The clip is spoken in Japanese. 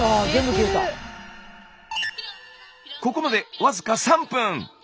ここまで僅か３分。